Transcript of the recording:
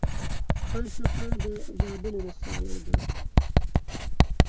ښار صفا د زابل ولسوالۍ ده